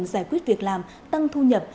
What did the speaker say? giải quyết việc làm tăng thu nhập